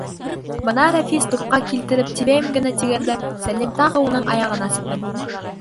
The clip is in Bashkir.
Бына Рәфис тупҡа килтереп тибәйем генә тигәндә, Сәлим тағы уның аяғына сәпәне.